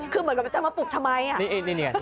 คือเหมือนกับจะมาปลุกทำไม